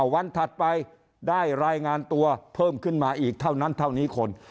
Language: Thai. วันถัดไปได้รายงานตัวเพิ่มขึ้นมาอีกเท่านั้นเท่านี้คน